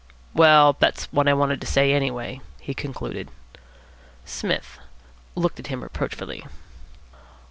"Well, that's what I wanted to say, anyway," he concluded. Psmith looked at him reproachfully.